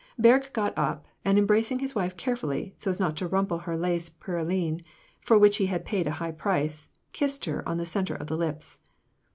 Berg got up, and embracing his wife carefully, — so as not to rumple her lace pelerine, for which he had paid a high price, — kissed her on the centre of the lips.